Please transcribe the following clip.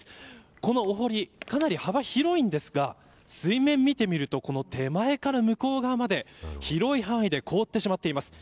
このお堀かなり幅、広いんですが水面を見てみると手前から向こう側まで広い範囲で凍ってしまっています。